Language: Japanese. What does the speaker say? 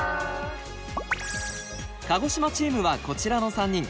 鹿児島チームはこちらの３人。